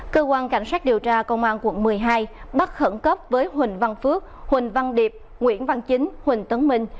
cơ quan cảnh sát điều tra công an quận một mươi hai bắt khẩn cấp với huỳnh văn phước huỳnh văn điệp nguyễn văn chính huỳnh tấn minh